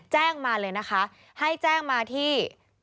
แจ้งมาเลยนะคะให้แจ้งมาที่